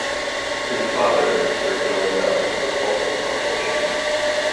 His father, Sir Dillon Bell, was also a politician.